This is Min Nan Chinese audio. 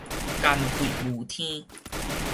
含血霧天